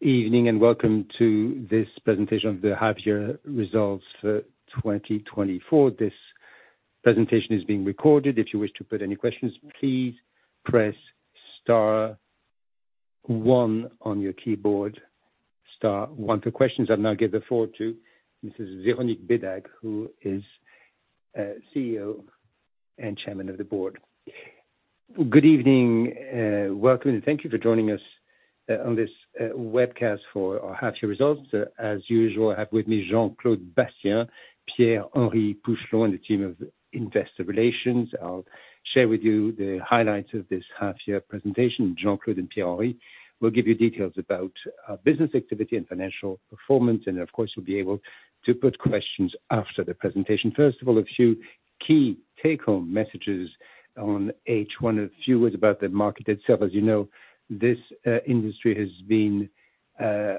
Evening and welcome to this presentation of the half-year results for 2024. This presentation is being recorded. If you wish to put any questions, please press star one on your keyboard, star one for questions. I'll now give the floor to Mrs. Véronique Bédague, who is CEO and Chairman of the board. Good evening, welcome, and thank you for joining us on this webcast for our half-year results. As usual, I have with me Jean-Claude Bassien, Pierre-Henry Pouchelon, and the team of Investor Relations. I'll share with me the highlights of this half-year presentation. Jean-Claude and Pierre-Henry will give you details about business activity and financial performance, and of course, you'll be able to put questions after the presentation. First of all, a few key take-home messages on each one of you is about the market itself. As you know, this industry has been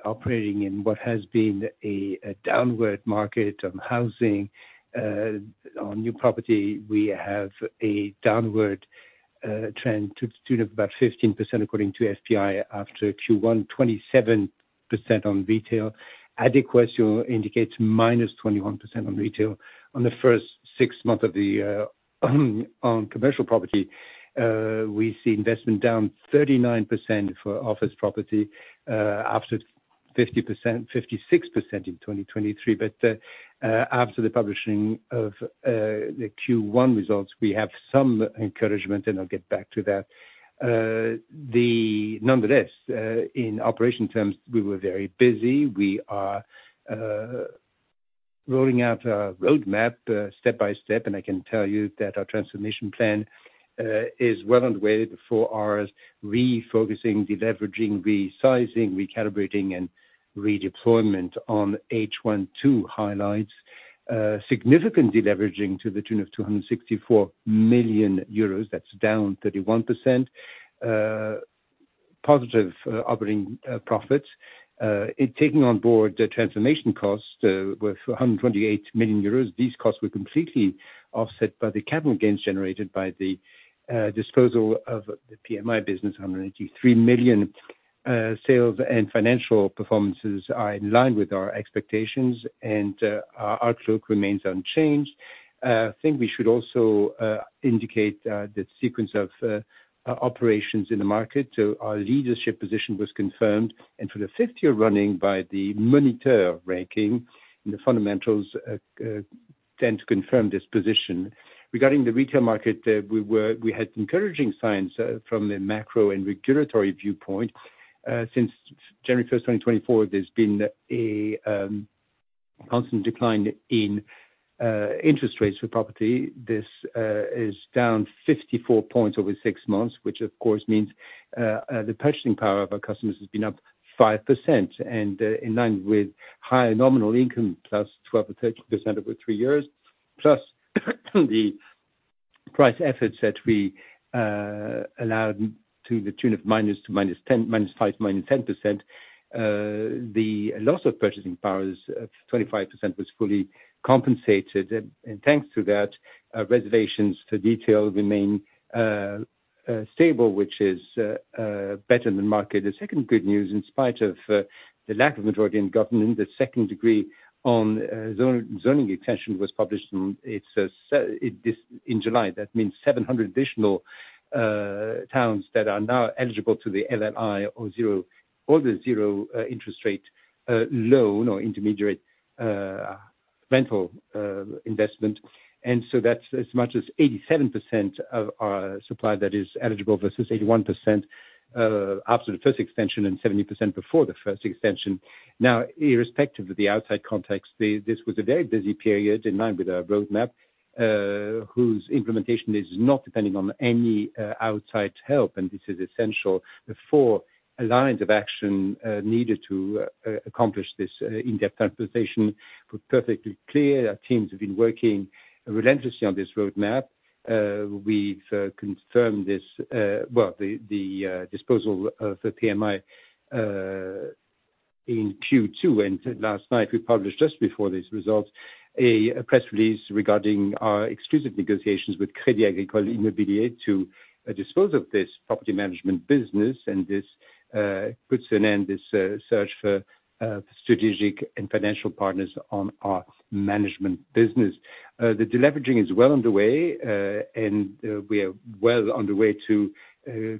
operating in what has been a downward market on housing, on new property. We have a downward trend to the tune of about 15% according to FPI after Q1, 27% on retail. Adéquation indicates -21% on retail. On the first six months of the year on commercial property, we see investment down 39% for office property after 56% in 2023. But after the publishing of the Q1 results, we have some encouragement, and I'll get back to that. Nonetheless, in operation terms, we were very busy. We are rolling out our roadmap step by step, and I can tell you that our transformation plan is well underway. The four Rs, refocusing, deleveraging, resizing, recalibrating, and redeployment on H1 to highlights significant deleveraging to the tune of 264 million euros. That's down 31%. Positive operating profits. Taking on board the transformation costs worth 128 million euros, these costs were completely offset by the capital gains generated by the disposal of the PMI business, 183 million. Sales and financial performances are in line with our expectations, and our outlook remains unchanged. I think we should also indicate the sequence of operations in the market. Our leadership position was confirmed, and for the fifth year running by the Le Moniteur ranking, the fundamentals tend to confirm this position. Regarding the retail market, we had encouraging signs from the macro and regulatory viewpoint. Since January 1st, 2024, there's been a constant decline in interest rates for property. This is down 54 points over six months, which of course means the purchasing power of our customers has been up 5%. In line with higher nominal income, plus 12% or 13% over three years, plus the price efforts that we allowed to the tune of minus 2 to minus 10, minus 5%, minus 10%, the loss of purchasing powers of 25% was fully compensated. And thanks to that, reservations for detail remain stable, which is better than market. The second good news, in spite of the lack of majority in government, the second decree on zoning extension was published in July. That means 700 additional towns that are now eligible to the LLI or the zero interest rate loan or intermediate rental investment. And so that's as much as 87% of our supply that is eligible versus 81% after the first extension and 70% before the first extension. Now, irrespective of the outside context, this was a very busy period in line with our roadmap, whose implementation is not depending on any outside help. This is essential for the lines of action needed to accomplish this in-depth conversation. We're perfectly clear that teams have been working relentlessly on this roadmap. We've confirmed this, well, the disposal of the PMI in Q2. Last night, we published just before these results a press release regarding our exclusive negotiations with Crédit Agricole Immobilier to dispose of this property management business. This puts an end to this search for strategic and financial partners on our management business. The deleveraging is well underway, and we are well underway to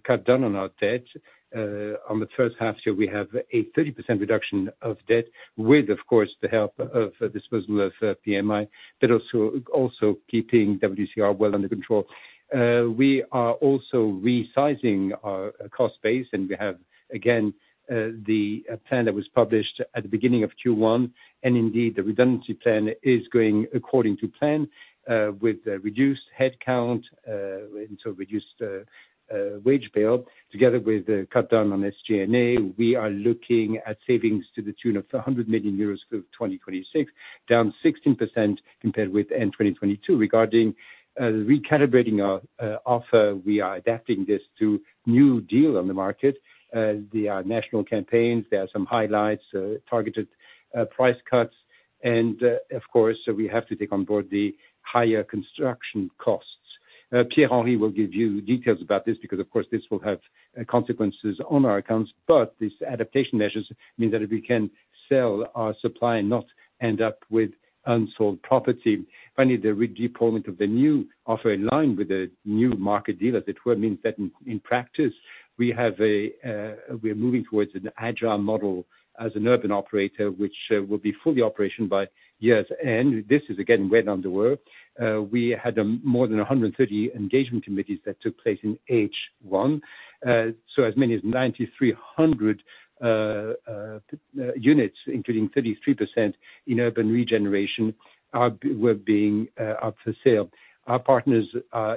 cut down on our debt. On the first half year, we have a 30% reduction of debt with, of course, the help of the disposal of PMI, but also keeping WCR well under control. We are also resizing our cost base, and we have again the plan that was published at the beginning of Q1. Indeed, the redundancy plan is going according to plan with reduced headcount and reduced wage bill, together with the cutdown on SG&A. We are looking at savings to the tune of 100 million euros for 2026, down 16% compared with end 2022. Regarding recalibrating our offer, we are adapting this to new deals on the market. There are national campaigns, there are some highlights, targeted price cuts, and of course, we have to take on board the higher construction costs. Pierre-Henry will give you details about this because, of course, this will have consequences on our accounts. But these adaptation measures mean that we can sell our supply and not end up with unsold property. Finally, the redeployment of the new offer in line with the new market deal, as it were, means that in practice, we are moving towards an agile model as an urban operator, which will be fully operational by year's end. This is again way down the road. We had more than 130 engagement committees that took place in H1. So as many as 9,300 units, including 33% in urban regeneration, were being up for sale. Our partners,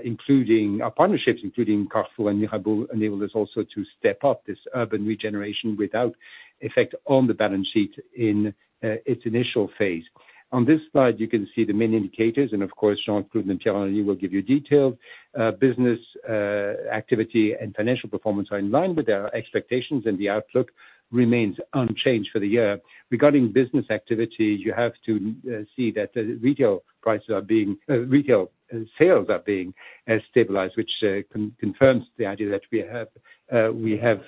including our partnerships, including Carrefour and Mirabaud, enabled us also to step up this urban regeneration without effect on the balance sheet in its initial phase. On this slide, you can see the main indicators, and of course, Jean-Claude and Pierre-Henry will give you details. Business activity and financial performance are in line with our expectations, and the outlook remains unchanged for the year. Regarding business activity, you have to see that retail sales are being stabilized, which confirms the idea that we are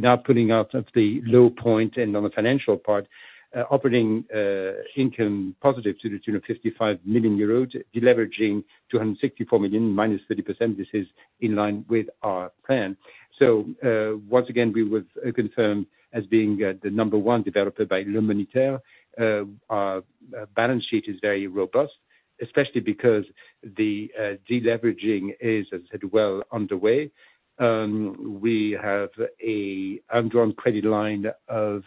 now pulling out of the low point, and on the financial part, operating income positive to the tune of 55 million euros, deleveraging to 164 million, -30%. This is in line with our plan. So once again, we were confirmed as being the number one developer by Le Moniteur. Our balance sheet is very robust, especially because the deleveraging is, as I said, well underway. We have an undrawn credit line of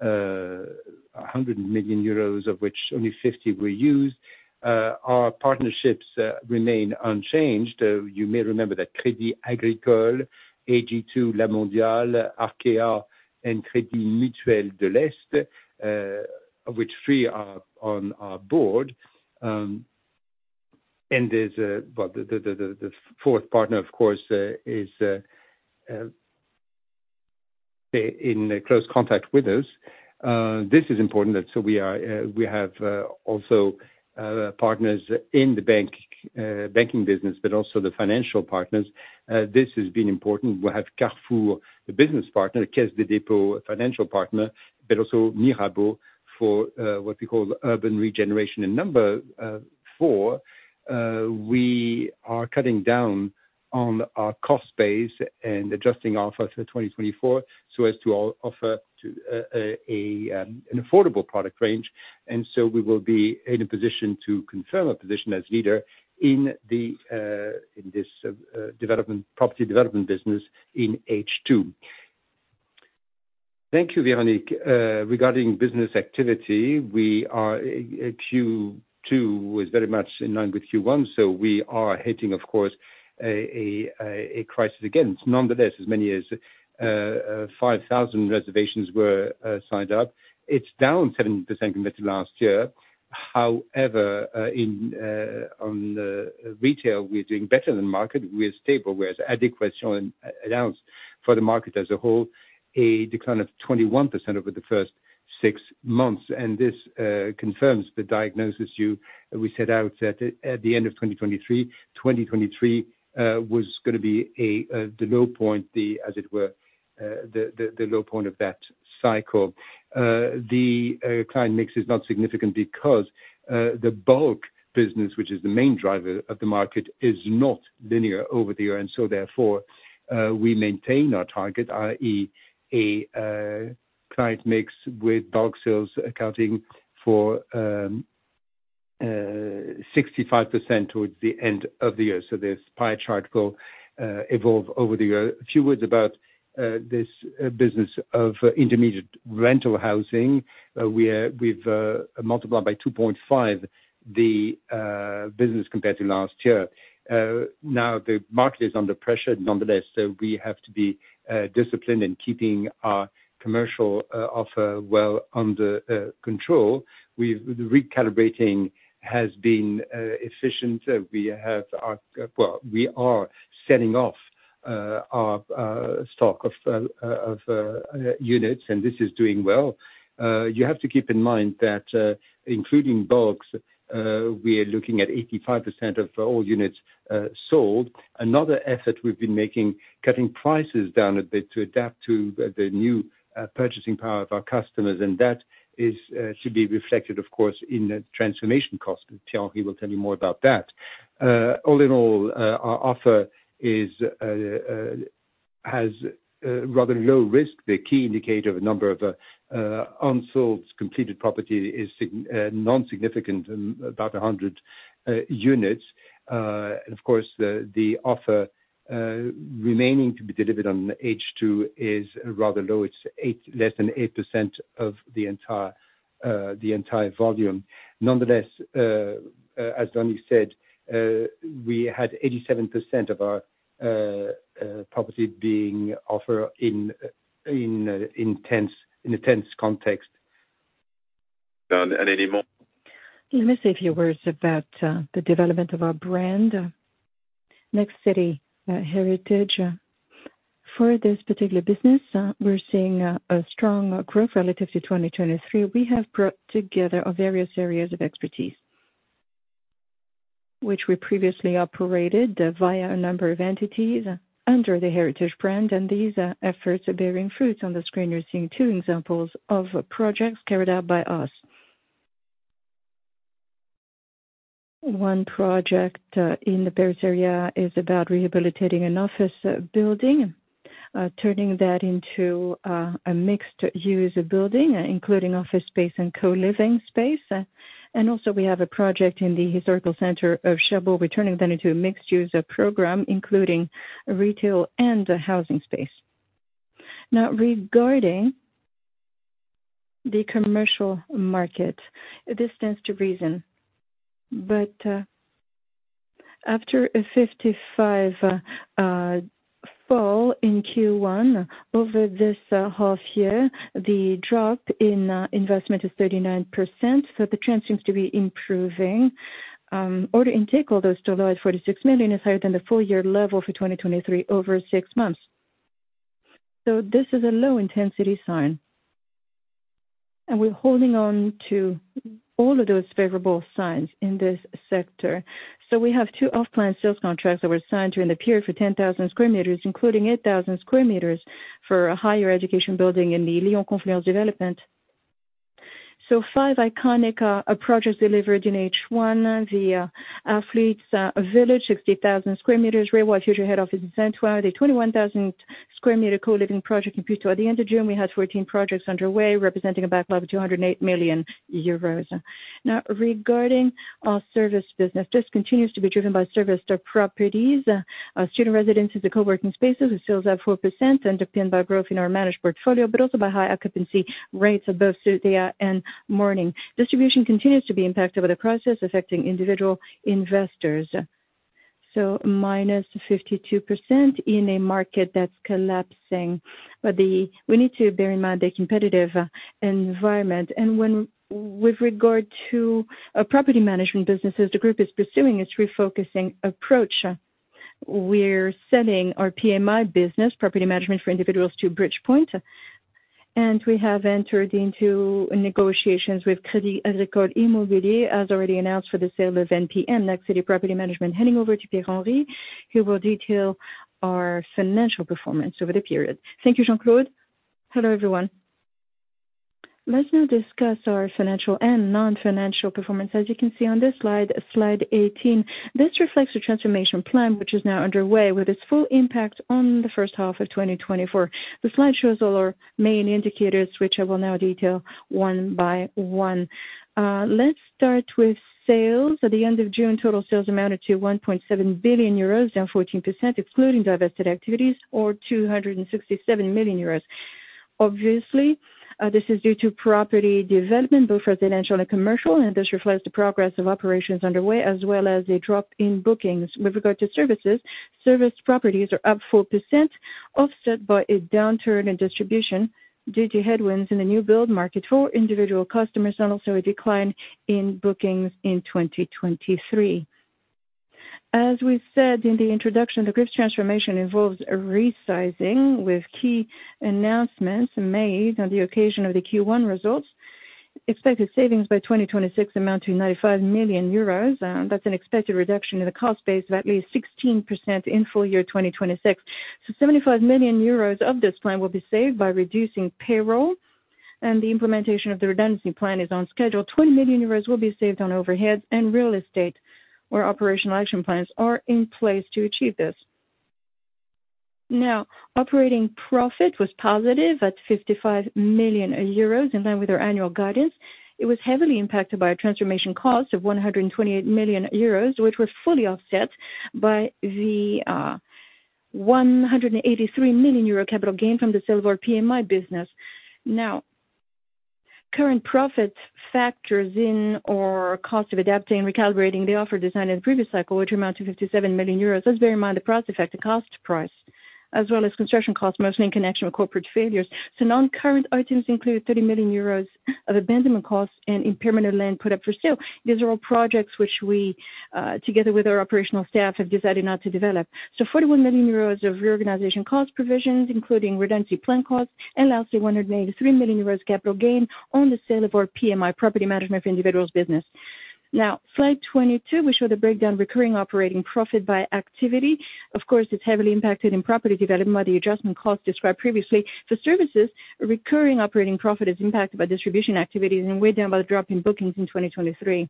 100 million euros, of which only 50 million were used. Our partnerships remain unchanged. You may remember that Crédit Agricole, AG2R La Mondiale, Arkéa, and Crédit Mutuel de l'Est, of which three are on our board. There's the fourth partner, of course, is in close contact with us. This is important that we have also partners in the banking business, but also the financial partners. This has been important. We have Carrefour, the business partner, Caisse des Dépôts, financial partner, but also Mirabaud for what we call urban regeneration. Number four, we are cutting down on our cost base and adjusting our offer for 2024 so as to offer an affordable product range. So we will be in a position to confirm a position as leader in this property development business in H2. Thank you, Véronique. Regarding business activity, Q2 was very much in line with Q1, so we are hitting, of course, a crisis again. Nonetheless, as many as 5,000 reservations were signed up. It's down 70% compared to last year. However, on retail, we're doing better than market. We're stable. Whereas Adequation announced for the market as a whole, a decline of 21% over the first six months. This confirms the diagnosis we set out at the end of 2023. 2023 was going to be the low point, as it were, the low point of that cycle. The client mix is not significant because the bulk business, which is the main driver of the market, is not linear over the year. And so therefore, we maintain our target, i.e., a client mix with bulk sales accounting for 65% towards the end of the year. This pie chart will evolve over the year. A few words about this business of intermediate rental housing. We've multiplied by 2.5 the business compared to last year. Now, the market is under pressure. Nonetheless, we have to be disciplined in keeping our commercial offer well under control. Recalibrating has been efficient. We are selling off our stock of units, and this is doing well. You have to keep in mind that including bulks, we are looking at 85% of all units sold. Another effort we've been making, cutting prices down a bit to adapt to the new purchasing power of our customers. And that should be reflected, of course, in the transformation cost. Pierre-Henry will tell you more about that. All in all, our offer has rather low risk. The key indicator of the number of unsold completed property is non-significant, about 100 units. And of course, the offer remaining to be delivered on H2 is rather low. It's less than 8% of the entire volume. Nonetheless, as Véronique said, we had 87% of our property being offered in a tense context. Let me say a few words about the development of our brand, Nexity Héritage. For this particular business, we're seeing a strong growth relative to 2023. We have brought together various areas of expertise, which we previously operated via a number of entities under the heritage brand. These efforts are bearing fruit. On the screen, you're seeing two examples of projects carried out by us. One project in the Paris area is about rehabilitating an office building, turning that into a mixed-use building, including office space and co-living space. Also, we have a project in the historical center of Cherbourg, returning that into a mixed-use program, including retail and housing space. Now, regarding the commercial market, this tends to reverse. But after a 55% fall in Q1, over this half year, the drop in investment is 39%. The trend seems to be improving. Order intake, although still low at 46 million, is higher than the four-year level for 2023 over six months. This is a low-intensity sign. We're holding on to all of those favorable signs in this sector. We have two off-plan sales contracts that were signed during the period for 10,000 sq m, including 8,000 sq m for a higher education building in the Lyon Confluence development. Five iconic projects delivered in H1, the Athletes' Village, 60,000 sq m, Reiwa Future Head Office in Saint-Ouen, the 21,000 sq m co-living project in Puteaux. At the end of June, we had 14 projects underway, representing a backlog of 208 million euros. Now, regarding our service business, this continues to be driven by service to properties, student residences, and co-working spaces, with sales at 4% driven by growth in our managed portfolio, but also by high occupancy rates above 90% at Studéa and Morning. Distribution continues to be impacted by the crisis affecting individual investors. So -52% in a market that's collapsing. But we need to bear in mind the competitive environment. With regard to property management businesses, the group is pursuing a three-pronged approach. We're selling our PMI business, property management for individuals, to Bridgepoint. And we have entered into negotiations with Crédit Agricole Immobilier, as already announced, for the sale of NPM, Nexity Property Management, handing over to Pierre-Henry, who will detail our financial performance over the period. Thank you, Jean-Claude. Hello, everyone. Let's now discuss our financial and non-financial performance. As you can see on this slide, slide 18, this reflects the transformation plan, which is now underway, with its full impact on the first half of 2024. The slide shows all our main indicators, which I will now detail one by one. Let's start with sales. At the end of June, total sales amounted to 1.7 billion euros, down 14%, excluding divested activities, or 267 million euros. Obviously, this is due to property development, both residential and commercial, and this reflects the progress of operations underway, as well as a drop in bookings. With regard to services, serviced properties are up 4%, offset by a downturn in distribution due to headwinds in the new build market for individual customers, and also a decline in bookings in 2023. As we said in the introduction, the group's transformation involves resizing, with key announcements made on the occasion of the Q1 results. Expected savings by 2026 amount to 95 million euros. That's an expected reduction in the cost base of at least 16% in full year 2026. So 75 million euros of this plan will be saved by reducing payroll, and the implementation of the redundancy plan is on schedule. 20 million euros will be saved on overheads and real estate, where operational action plans are in place to achieve this. Now, operating profit was positive at 55 million euros, in line with our annual guidance. It was heavily impacted by a transformation cost of 128 million euros, which was fully offset by the 183 million euro capital gain from the sale of our PMI business. Now, current profit factors in our cost of adapting and recalibrating the offer design in the previous cycle, which amount to 57 million euros. Let's bear in mind the price effect, the cost price, as well as construction costs, mostly in connection with corporate failures. So non-current items include 30 million euros of abandonment costs and impairment of land put up for sale. These are all projects which we, together with our operational staff, have decided not to develop. So 41 million euros of reorganization cost provisions, including redundancy plan costs. And lastly, 183 million euros capital gain on the sale of our PMI property management for individuals business. Now, slide 22, we show the breakdown of recurring operating profit by activity. Of course, it's heavily impacted in property development by the adjustment costs described previously. For services, recurring operating profit is impacted by distribution activities and weighed down by the drop in bookings in 2023.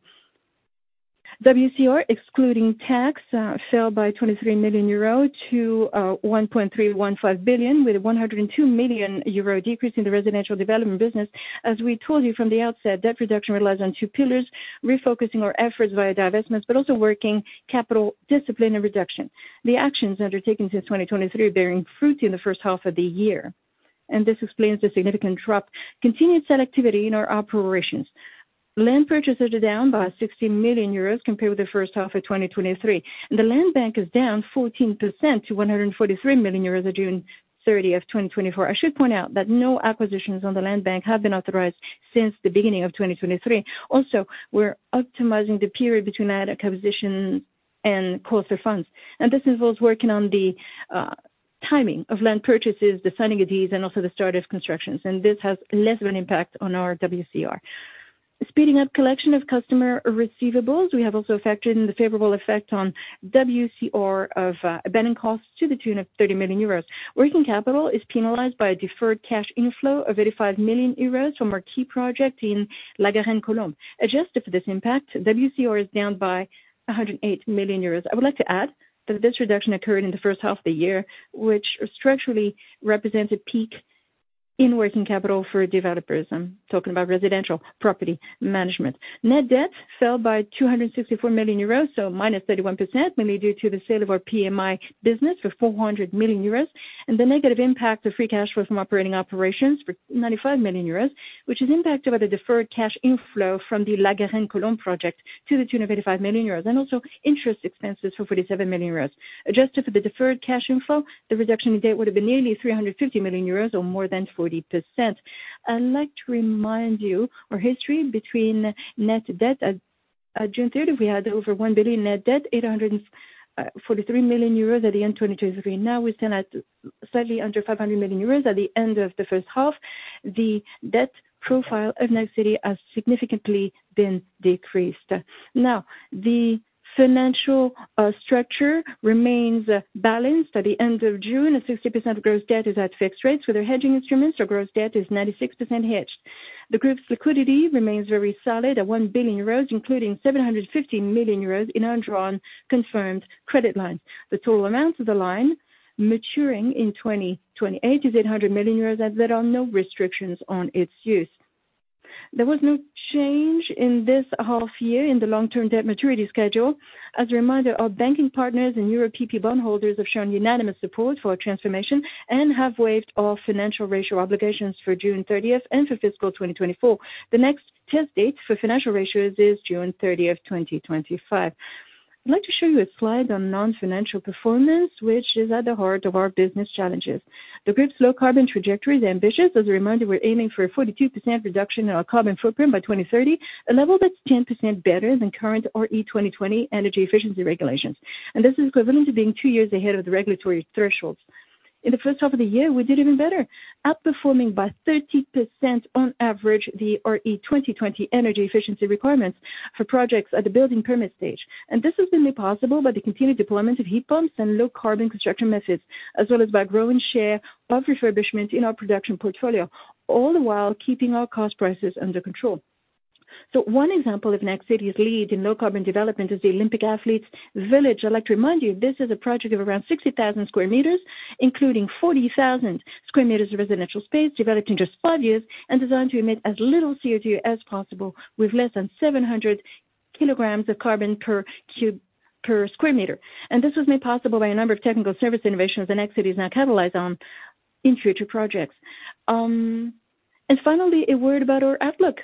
WCR, excluding tax, fell by 23 million euro to 1.315 billion, with a 102 million euro decrease in the residential development business. As we told you from the outset, that reduction relies on two pillars: refocusing our efforts via divestments, but also working capital discipline and reduction. The actions undertaken since 2023 are bearing fruit in the first half of the year. This explains the significant drop. Continued sales activity in our operations. Land purchases are down by 60 million euros compared with the first half of 2023. The land bank is down 14% to 143 million euros as of June 30, 2024. I should point out that no acquisitions on the land bank have been authorized since the beginning of 2023. Also, we're optimizing the period between land acquisitions and cost of funds. This involves working on the timing of land purchases, the signing of deeds, and also the start of constructions. This has less of an impact on our WCR. Speeding up collection of customer receivables, we have also affected the favorable effect on WCR of abandoned costs to the tune of 30 million euros. Working capital is penalized by a deferred cash inflow of 85 million euros from our key project in La Garenne-Colombes. Adjusted for this impact, WCR is down by 108 million euros. I would like to add that this reduction occurred in the first half of the year, which structurally represents a peak in working capital for developers. I'm talking about residential property management. Net debt fell by 264 million euros, so minus 31%, mainly due to the sale of our PMI business for 400 million euros. The negative impact of free cash flow from operating operations for 95 million euros, which is impacted by the deferred cash inflow from the La Garenne-Colombes project to the tune of 85 million euros, and also interest expenses for 47 million euros. Adjusted for the deferred cash inflow, the reduction in debt would have been nearly 350 million euros, or more than 40%. I'd like to remind you of our history with net debt. At June 30, we had over 1 billion net debt, 843 million euros at the end of 2023. Now, we're still at slightly under 500 million euros at the end of the first half. The debt profile of Nexity has significantly been decreased. Now, the financial structure remains balanced. At the end of June, 60% of gross debt is at fixed rates. With our hedging instruments, our gross debt is 96% hedged. The group's liquidity remains very solid at 1 billion euros, including 750 million euros in underwritten confirmed credit lines. The total amount of the line maturing in 2028 is 800 million euros, and there are no restrictions on its use. There was no change in this half year in the long-term debt maturity schedule. As a reminder, our banking partners and Euro PP bondholders have shown unanimous support for our transformation and have waived our financial ratio obligations for June 30 and for fiscal 2024. The next test date for financial ratios is June 30, 2025. I'd like to show you a slide on non-financial performance, which is at the heart of our business challenges. The group's low carbon trajectory is ambitious. As a reminder, we're aiming for a 42% reduction in our carbon footprint by 2030, a level that's 10% better than current RE2020 energy efficiency regulations. And this is equivalent to being two years ahead of the regulatory thresholds. In the first half of the year, we did even better, outperforming by 30% on average the RE2020 energy efficiency requirements for projects at the building permit stage. This has been made possible by the continued deployment of heat pumps and low carbon construction methods, as well as by growing share of refurbishment in our production portfolio, all the while keeping our cost prices under control. One example of Nexity's lead in low carbon development is the Olympic Athletes' Village. I'd like to remind you, this is a project of around 60,000 sq m, including 40,000 sq m of residential space developed in just five years and designed to emit as little CO2 as possible, with less than 700 kg of carbon per cubic per square meter. This was made possible by a number of technical service innovations that Nexity is now capitalizing on in future projects. Finally, a word about our outlook.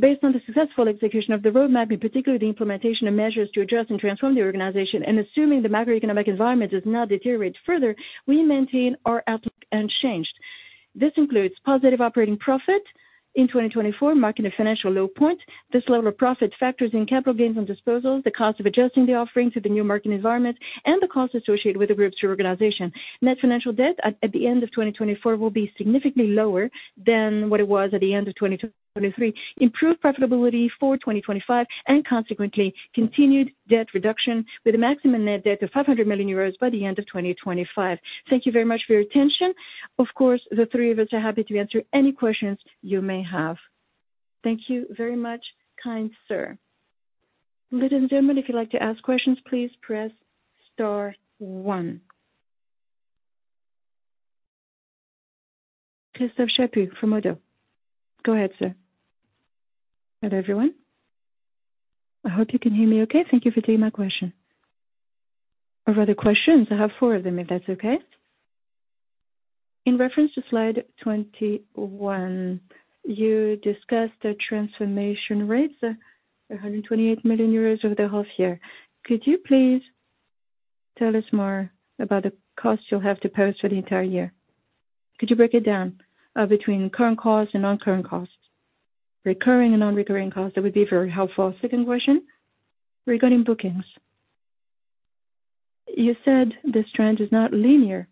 Based on the successful execution of the roadmap, in particular the implementation of measures to adjust and transform the organization, and assuming the macroeconomic environment does not deteriorate further, we maintain our outlook unchanged. This includes positive operating profit in 2024, marking a financial low point. This level of profit factors in capital gains on disposals, the cost of adjusting the offering to the new market environment, and the cost associated with the group's reorganization. Net financial debt at the end of 2024 will be significantly lower than what it was at the end of 2023, improved profitability for 2025, and consequently, continued debt reduction with a maximum net debt of 500 million euros by the end of 2025. Thank you very much for your attention. Of course, the three of us are happy to answer any questions you may have. Thank you very much, kind sir. Ladies and gentlemen, if you'd like to ask questions, please press star one. Christophe Chaput, from Oddo BHF. Go ahead, sir. Hello, everyone. I hope you can hear me okay. Thank you for taking my question. Or rather, questions. I have four of them, if that's okay. In reference to slide 21, you discussed the transformation rates, 128 million euros over the half year. Could you please tell us more about the costs you'll have to post for the entire year? Could you break it down between current costs and non-current costs? Recurring and non-recurring costs, that would be very helpful. Second question, regarding bookings. You said this trend is not linear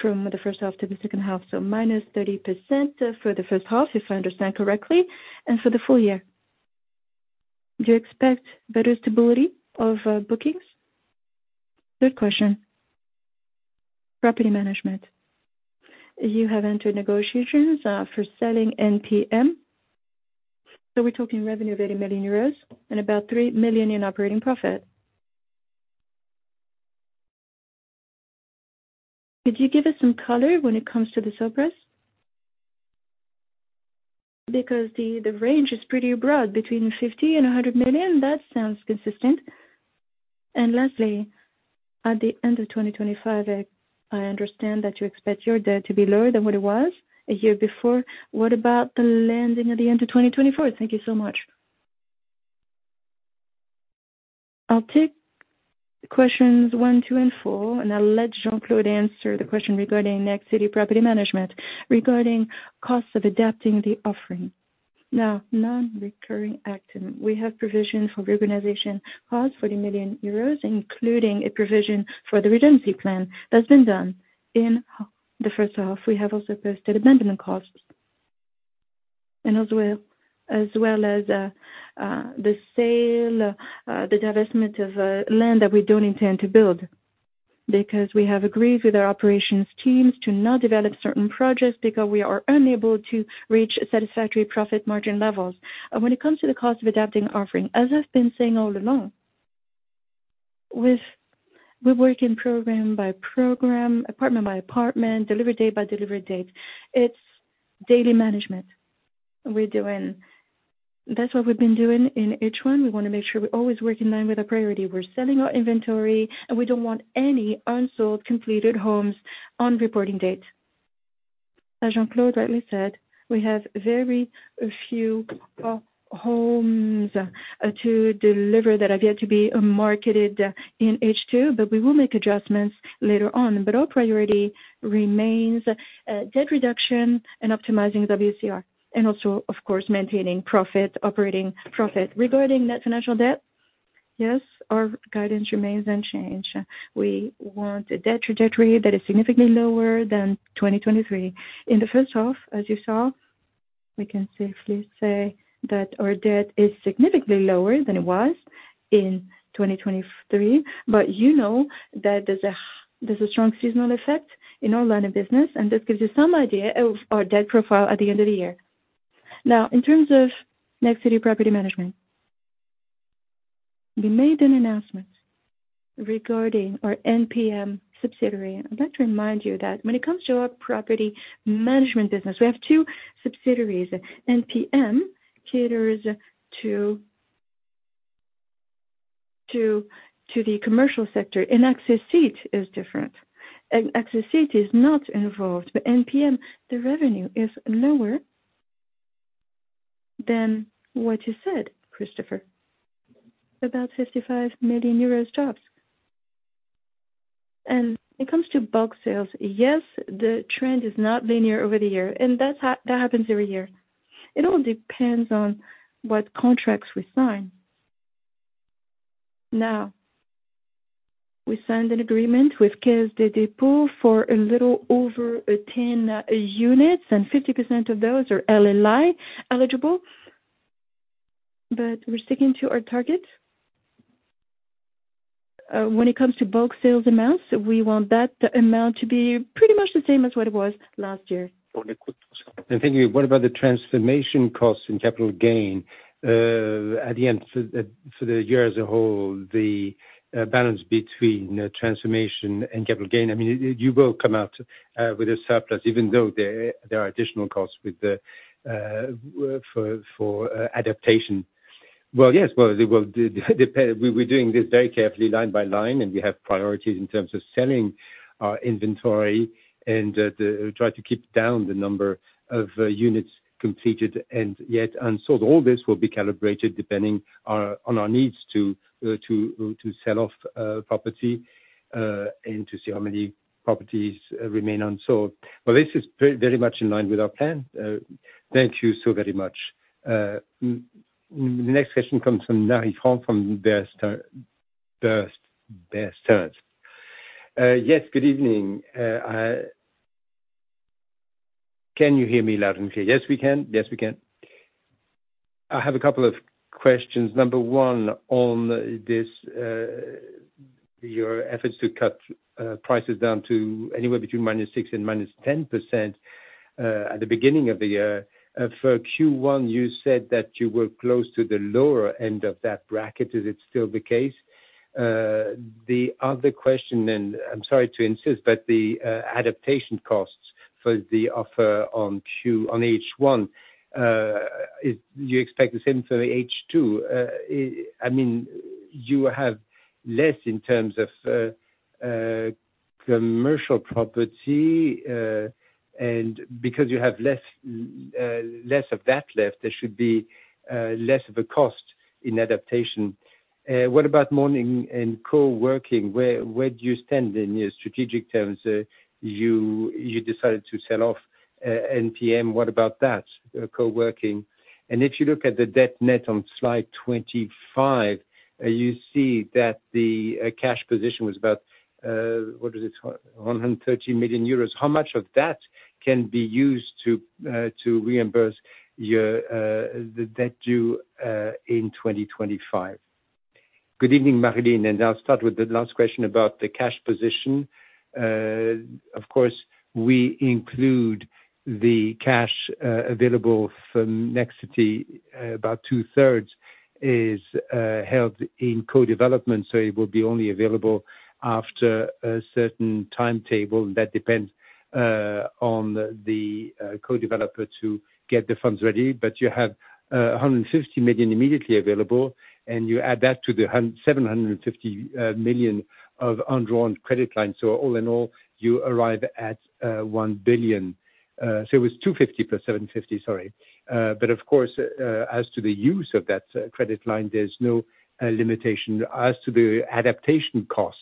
from the first half to the second half, so -30% for the first half, if I understand correctly, and for the full year. Do you expect better stability of bookings? Third question, property management. You have entered negotiations for selling NPM. So we're talking revenue of 80 million euros and about 3 million in operating profit. Could you give us some color when it comes to the surprise? Because the range is pretty broad, between EUR 50-€100 million. That sounds consistent. And lastly, at the end of 2025, I understand that you expect your debt to be lower than what it was a year before. What about the landing at the end of 2024? Thank you so much. I'll take questions 1, 2, and 4, and I'll let Jean-Claude answer the question regarding Nexity property management, regarding costs of adapting the offering. Now, non-recurring items. We have provision for reorganization costs for 40 million euros, including a provision for the redundancy plan. That's been done. In the first half, we have also posted abandonment costs, as well as the sale, the divestment of land that we don't intend to build, because we have agreed with our operations teams to not develop certain projects because we are unable to reach satisfactory profit margin levels. When it comes to the cost of adapting offering, as I've been saying all along, we're working program by program, apartment by apartment, delivery day by delivery date. It's daily management we're doing. That's what we've been doing in each one. We want to make sure we're always working in line with our priority. We're selling our inventory, and we don't want any unsold completed homes on reporting date. As Jean-Claude rightly said, we have very few homes to deliver that have yet to be marketed in H2, but we will make adjustments later on. But our priority remains debt reduction and optimizing WCR, and also, of course, maintaining profit, operating profit. Regarding net financial debt, yes, our guidance remains unchanged. We want a debt trajectory that is significantly lower than 2023. In the first half, as you saw, we can safely say that our debt is significantly lower than it was in 2023. But you know that there's a strong seasonal effect in our line of business, and this gives you some idea of our debt profile at the end of the year. Now, in terms of Nexity property management, we made an announcement regarding our NPM subsidiary. I'd like to remind you that when it comes to our property management business, we have two subsidiaries. NPM caters to the commercial sector, and Accessite is different. Accessite is not involved, but NPM, the revenue is lower than what you said, Christophe, about EUR 55 million. When it comes to bulk sales, yes, the trend is not linear over the year, and that happens every year. It all depends on what contracts we sign. Now, we signed an agreement with Caisse des Dépôts for a little over 10 units, and 50% of those are LLI eligible. But we're sticking to our target. When it comes to bulk sales amounts, we want that amount to be pretty much the same as what it was last year. Thank you. What about the transformation costs and capital gain at the end for the year as a whole, the balance between transformation and capital gain? I mean, you will come out with a surplus, even though there are additional costs for adaptation. Well, yes, well, we're doing this very carefully, line by line, and we have priorities in terms of selling our inventory and try to keep down the number of units completed and yet unsold. All this will be calibrated depending on our needs to sell off property and to see how many properties remain unsold. Well, this is very much in line with our plan. Thank you so very much. The next question comes from Marie-Line Fort from Bernstein. Yes, good evening. Can you hear me loud and clear? Yes, we can. Yes, we can. I have a couple of questions. Number one, on your efforts to cut prices down to anywhere between -6% and -10% at the beginning of the year. For Q1, you said that you were close to the lower end of that bracket. Is it still the case? The other question, and I'm sorry to insist, but the adaptation costs for the offer on H1, do you expect the same for H2? I mean, you have less in terms of commercial property, and because you have less of that left, there should be less of a cost in adaptation. What about Morning and coworking? Where do you stand in your strategic terms? You decided to sell off NPM. What about that coworking? And if you look at the net debt on slide 25, you see that the cash position was about, what is it, 130 million euros. How much of that can be used to reimburse the debt due in 2025? Good evening, Marie-Line, and I'll start with the last question about the cash position. Of course, we include the cash available from Nexity, about 2/3 is held in co-development, so it will be only available after a certain timetable. That depends on the co-developer to get the funds ready. But you have 150 million immediately available, and you add that to the 750 million of undrawn credit line. So all in all, you arrive at 1 billion. So it was 250 plus 750, sorry. But of course, as to the use of that credit line, there's no limitation. As to the adaptation costs,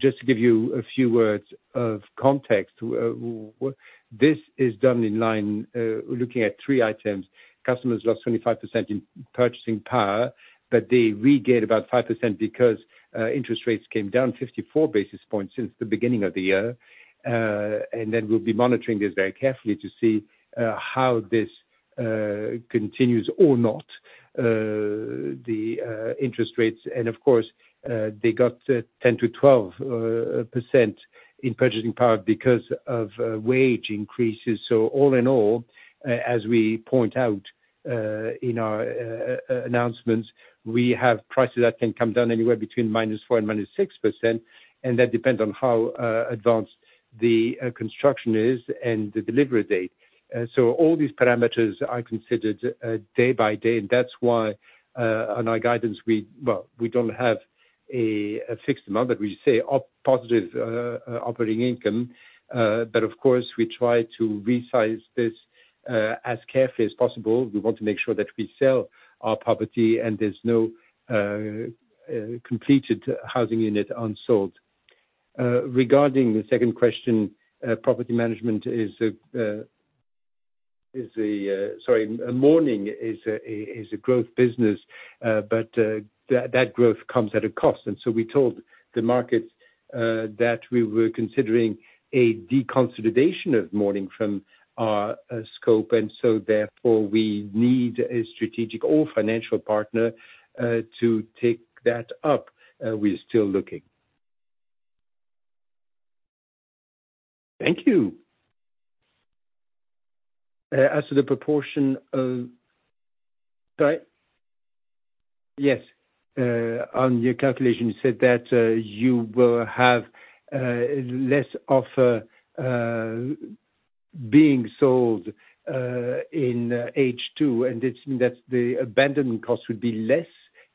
just to give you a few words of context, this is done in line looking at three items. Customers lost 25% in purchasing power, but they regained about 5% because interest rates came down 54 basis points since the beginning of the year. Then we'll be monitoring this very carefully to see how this continues or not, the interest rates. Of course, they got 10%-12% in purchasing power because of wage increases. All in all, as we point out in our announcements, we have prices that can come down anywhere between -4% and -6%, and that depends on how advanced the construction is and the delivery date. All these parameters are considered day by day, and that's why on our guidance, well, we don't have a fixed amount, but we say positive operating income. Of course, we try to resize this as carefully as possible. We want to make sure that we sell our property and there's no completed housing unit unsold. Regarding the second question, property management is a, sorry, Morning is a growth business, but that growth comes at a cost. And so we told the markets that we were considering a deconsolidation of Morning from our scope, and so therefore we need a strategic or financial partner to take that up. We're still looking. Thank you. As to the proportion of, yes, on your calculation, you said that you will have less offer being sold in H2, and that's the abandonment cost would be less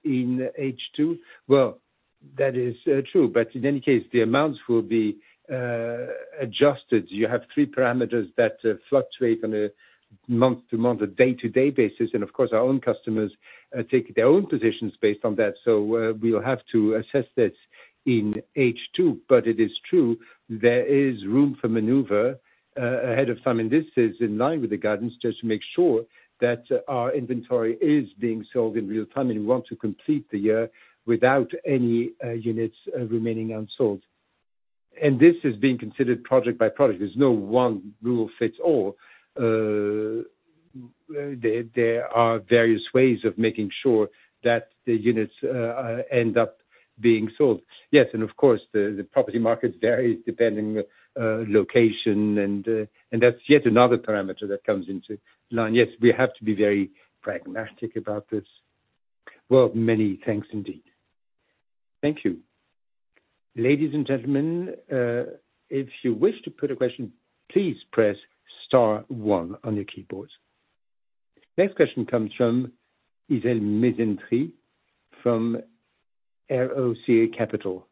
in H2. Well, that is true, but in any case, the amounts will be adjusted. You have three parameters that fluctuate on a month-to-month, a day-to-day basis, and of course, our own customers take their own positions based on that. So we'll have to assess this in H2, but it is true there is room for maneuver ahead of time, and this is in line with the guidance just to make sure that our inventory is being sold in real time, and we want to complete the year without any units remaining unsold. And this is being considered project by project. There's no one rule fits all. There are various ways of making sure that the units end up being sold. Yes, and of course, the property market varies depending on location, and that's yet another parameter that comes into line. Yes, we have to be very pragmatic about this. Well, many thanks indeed. Thank you. Ladies and gentlemen, if you wish to put a question, please press star one on your keyboard. Next question comes from Izel Mescendi from Roca Capital.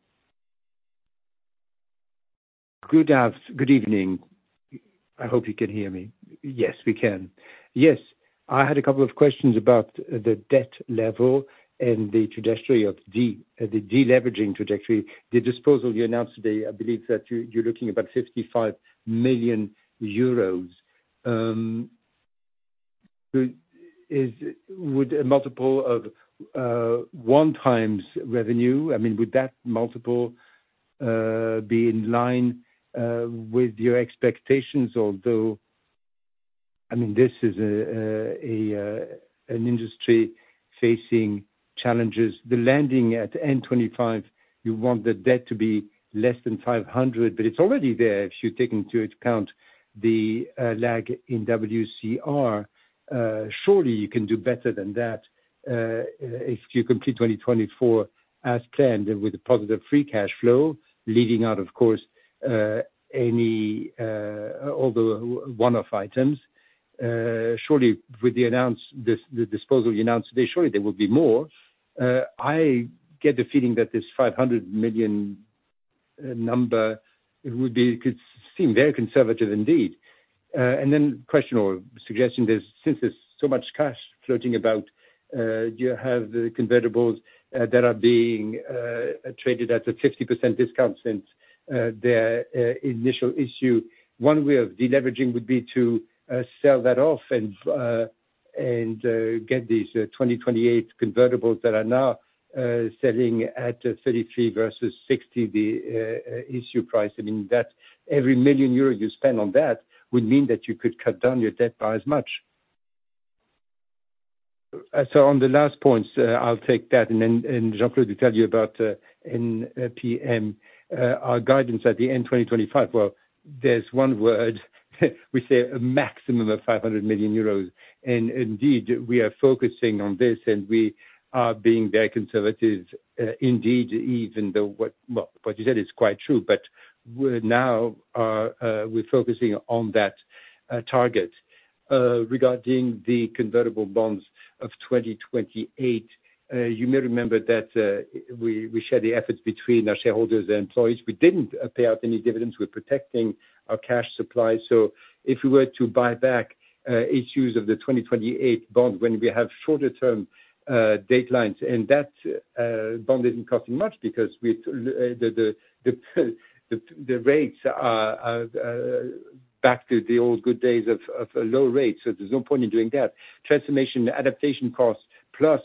Good evening. I hope you can hear me. Yes, we can. Yes, I had a couple of questions about the debt level and the trajectory of the deleveraging trajectory. The disposal you announced today, I believe that you're looking at about 55 million euros. Would a multiple of 1x revenue, I mean, would that multiple be in line with your expectations? Although, I mean, this is an industry facing challenges. The landing at N25, you want the debt to be less than 500 million, but it's already there if you take into account the lag in WCR. Surely, you can do better than that if you complete 2024 as planned with a positive free cash flow leading out, of course, any one-off items. Surely, with the disposal you announced today, surely there will be more. I get the feeling that this 500 million number could seem very conservative indeed. And then, a question or suggestion: since there's so much cash floating about, do you have the convertibles that are being traded at a 50% discount since their initial issue? One way of deleveraging would be to sell that off and get these 2028 convertibles that are now selling at 33 versus 60, the issue price. I mean, that every 1 million euro you spend on that would mean that you could cut down your debt by as much. So on the last points, I'll take that. Jean-Claude will tell you about NPM. Our guidance at the end of 2025—well, there's one word. We say a maximum of 500 million euros. And indeed, we are focusing on this, and we are being very conservative indeed, even though what you said is quite true. But now we're focusing on that target. Regarding the convertible bonds of 2028, you may remember that we shared the efforts between our shareholders and employees. We didn't pay out any dividends. We're protecting our cash supply. So if we were to buy back issues of the 2028 bond when we have shorter-term deadlines, and that bond isn't costing much because the rates are back to the old good days of low rates. So there's no point in doing that. Transformation adaptation costs plus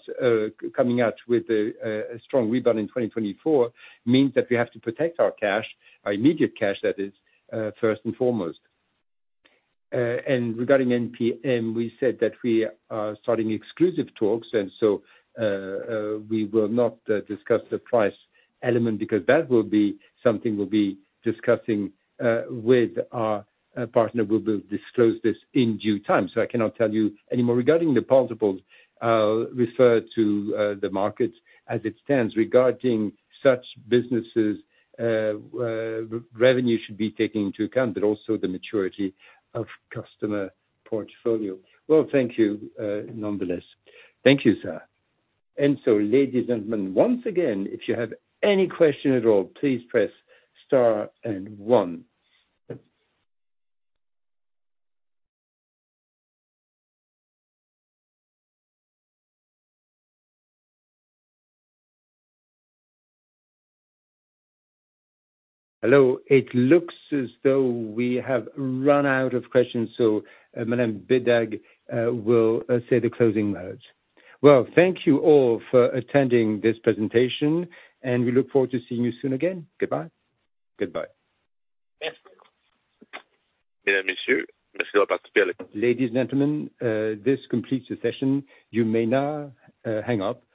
coming out with a strong rebound in 2024 means that we have to protect our cash, our immediate cash, that is, first and foremost. And regarding NPM, we said that we are starting exclusive talks, and so we will not discuss the price element because that will be something we'll be discussing with our partner. We will disclose this in due time. So I cannot tell you anymore. Regarding the multiples, I'll refer to the market as it stands. Regarding such businesses, revenue should be taken into account, but also the maturity of customer portfolio. Well, thank you nonetheless. Thank you, sir. And so, ladies and gentlemen, once again, if you have any question at all, please press star and one. Hello. It looks as though we have run out of questions, so Madame Bédague will say the closing words. Well, thank you all for attending this presentation, and we look forward to seeing you soon again. Goodbye. Goodbye. [Foreign Lanuage] Ladies and gentlemen, this completes the session. You may now hang up.